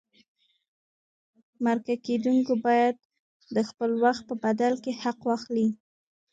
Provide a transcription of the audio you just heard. مرکه کېدونکی باید د خپل وخت په بدل کې حق واخلي.